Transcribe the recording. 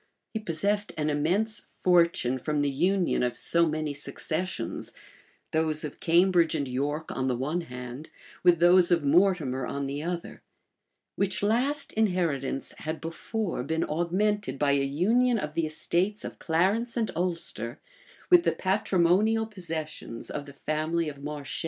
He possessed an immense fortune from the union of so many successions, those of Cambridge and York on the one hand, with those of Mortimer on the other; which last inheritance had before been augmented by a union of the estates of Clarence and Ulster with the patrimonial possessions of the family of Marche.